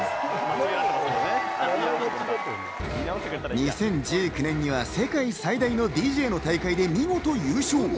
２０１９年には世界最大のＤＪの大会で見事優勝。